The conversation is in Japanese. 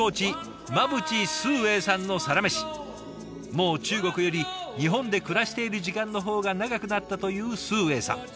もう中国より日本で暮らしている時間の方が長くなったという崇英さん。